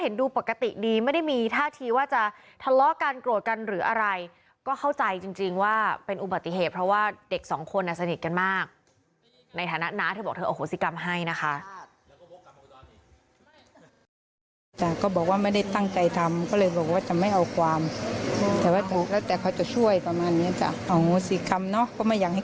ในฐานะน้าเธอบอกเอาโหสีกรรมให้นะคะ